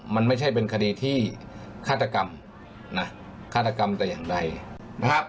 มันไม่ใช่เป็นคดีที่ฆาตกรรมนะฆาตกรรมแต่อย่างใดนะครับ